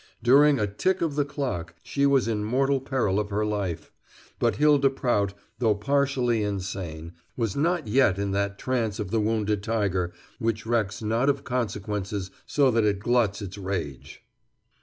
During a tick of the clock she was in mortal peril of her life, but Hylda Prout, though partially insane, was not yet in that trance of the wounded tiger which recks not of consequences so that it gluts its rage.